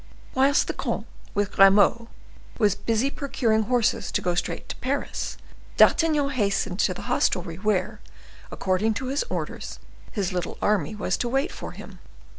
Whilst the comte, with Grimaud, was busy procuring horses to go straight to Paris, D'Artagnan hastened to the hostelry where, according to his orders, his little army was to wait for him.